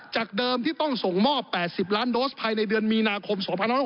จากเดิมที่ต้องส่งมอบ๘๐ล้านโดสภายในเดือนมีนาคม๒๖๖